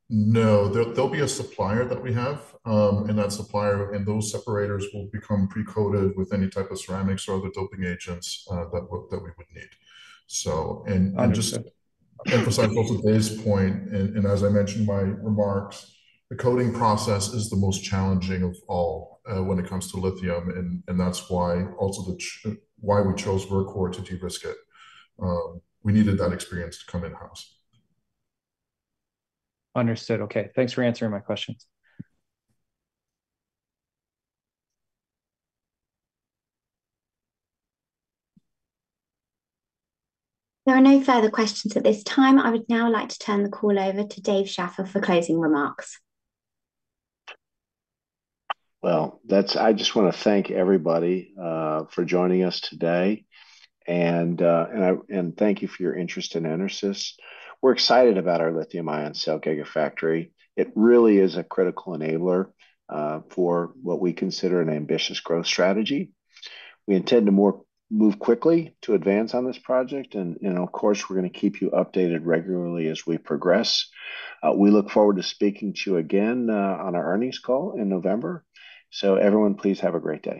No. There'll be a supplier that we have, and that supplier, and those separators will become pre-coated with any type of ceramics or other doping agents, that we would need. So, and- Understood... and just to emphasize to Dave's point, and as I mentioned in my remarks, the coating process is the most challenging of all, when it comes to lithium, and that's why also why we chose Verkor to de-risk it. We needed that experience to come in-house. Understood. Okay, thanks for answering my questions. There are no further questions at this time. I would now like to turn the call over to Dave Shaffer for closing remarks. Well, that's... I just wanna thank everybody for joining us today, and, and I... And thank you for your interest in EnerSys. We're excited about our lithium-ion cell gigafactory. It really is a critical enabler for what we consider an ambitious growth strategy. We intend to move quickly to advance on this project, and, of course, we're gonna keep you updated regularly as we progress. We look forward to speaking to you again on our earnings call in November. So everyone, please have a great day.